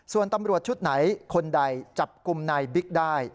ส่วนตำรวจชุดไหนคนใดจับกลุ่มนายบิ๊กได้